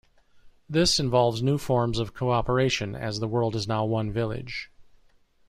This involves new forms of cooperation as the world is now one village.